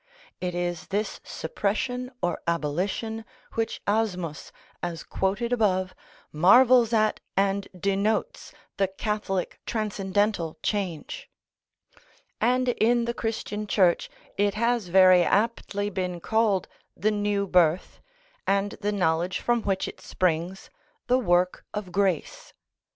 It is this suppression or abolition which Asmus, as quoted above, marvels at and denotes the "catholic, transcendental change;" and in the Christian Church it has very aptly been called the new birth, and the knowledge from which it springs, the work of grace.